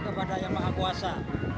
kepada yang mengakuasa